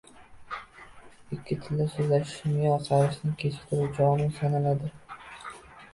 Ikki tilda soʻzlashish miya qarishini kechiktiruvchi omil sanaladi.